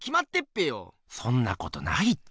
そんなことないって。